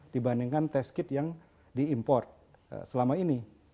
dibandingkan test kit yang diimport selama ini